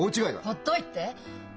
ほっといて！